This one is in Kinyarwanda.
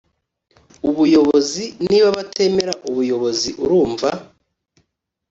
ubuyobozi niba batemera ubuyobozi urumva